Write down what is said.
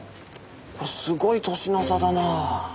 すごい歳の差だな。